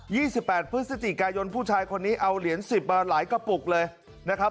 ี่สิบแปดพฤศจิกายนผู้ชายคนนี้เอาเหรียญสิบมาหลายกระปุกเลยนะครับ